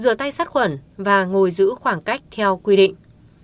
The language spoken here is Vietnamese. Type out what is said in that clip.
rửa tay sát khuẩn và ngồi giữ khoảng cách theo quy định